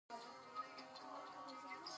آیا دوی د ماشومانو ساتنه نه کوي؟